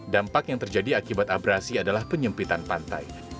dampak yang terjadi akibat abrasi adalah penyempitan pantai